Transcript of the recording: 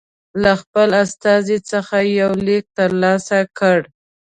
له خپل استازي څخه یو لیک ترلاسه کړ.